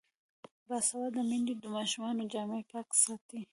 باسواده میندې د ماشومانو جامې پاکې ساتي.